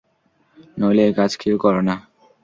নইলে এই কাজ কেউ করে না।